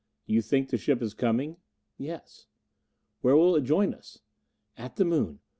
"You think the ship is coming?" "Yes." "Where will it join us?" "At the Moon.